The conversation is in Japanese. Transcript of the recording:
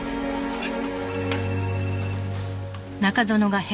はい。